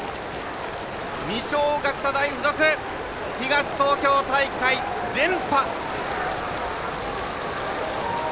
二松学舎大付属東東京大会、連覇！